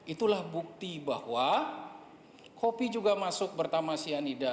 itulah bukti bahwa kopi juga masuk bertama cyanida